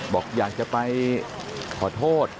บอกอยากจะไปขอโทษ